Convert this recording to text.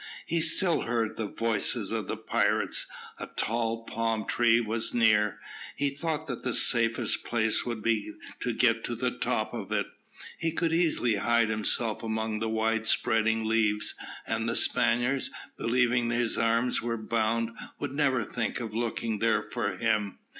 He still heard the voices of the pirates. A tall palm tree was near. He thought that the safest plan would be to get to the top of it. He could easily hide himself among the wide spreading leaves, and the Spaniards, believing that his arms were bound, would never think of looking there for him.